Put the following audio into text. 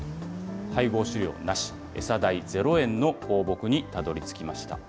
配合飼料なし、餌代０円の放牧にたどりつきました。